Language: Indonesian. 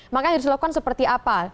makanya harus dilakukan seperti apa